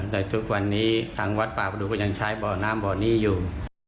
แต่ทุกวันนี้ทางวัดป่าประดูกก็ยังใช้บ่อน้ำบ่อนี้อยู่